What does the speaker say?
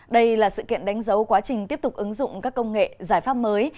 đây là sự kiện đánh dấu quá trình tiếp tục ứng dụng các công nghệ giải pháp mới